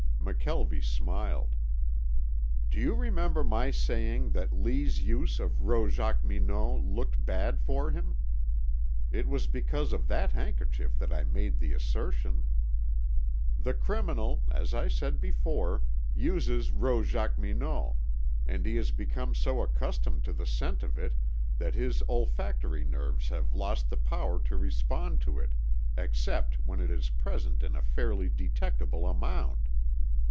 McKelvie smiled. "Do you remember my saying that Lee's use of rose jacqueminot looked bad for him? It was because of that handkerchief that I made the assertion. The criminal, as I said before, uses rose jacqueminot, and he has become so accustomed to the scent of it that his olfactory nerves have lost the power to respond to it except when it is present in a fairly detectable amount.